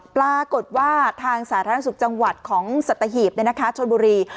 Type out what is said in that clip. ปรากฏว่าทางสาธารณสุขจังหวัดของสัตหีบชนบุรี